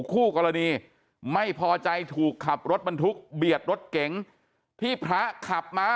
คู่กรณีไม่พอใจถูกขับรถบรรทุกเบียดรถเก๋งที่พระขับมา